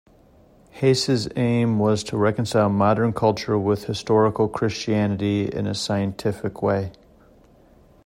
Hase's aim was to reconcile modern culture with historical Christianity in a scientific way.